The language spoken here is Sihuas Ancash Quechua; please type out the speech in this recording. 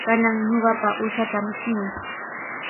Kanan ñuqapa uushaata michimuy.